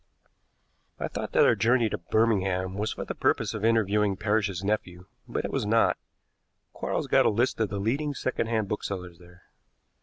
I thought that our journey to Birmingham was for the purpose of interviewing Parrish's nephew, but it was not. Quarles got a list of the leading secondhand booksellers there.